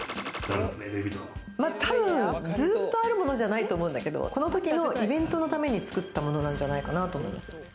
多分ずっとあるものじゃないと思うんだけど、この時のイベントのために作ったものなんじゃないかなと思う。